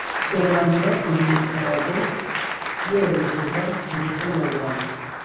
sobanura uyu mukarago werekeza ku muco nyarwanda